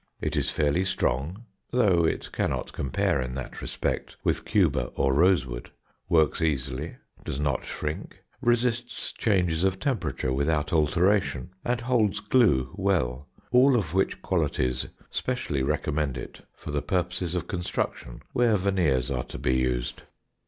It is fairly strong (though it cannot compare in that respect with Cuba or rosewood), works easily, does not shrink, resists changes of temperature without alteration, and holds glue well, all of which qualities specially recommend it for the purposes of construction where veneers are to be used.